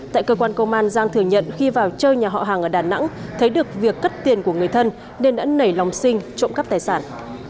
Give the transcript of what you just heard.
tại cơ quan công an giang thừa nhận khi vào chơi nhà họ hàng ở đà nẵng thấy được việc cất tiền của người thân nên đã nảy lòng sinh trộm cắp tài sản